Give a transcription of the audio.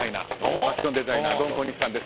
ファッションデザイナードン小西さんです。